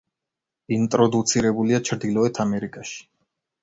ინტროდუცირებულია ჩრდილოეთ ამერიკაში.